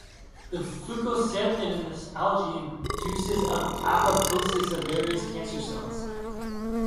The fucoxanthin in this algae induces apoptosis of various cancer cells.